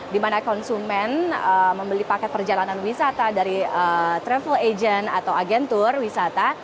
di mana konsumen membeli paket perjalanan wisata dari travel agent atau agentur wisata